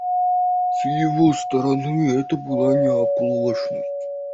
С его стороны это была не оплошность.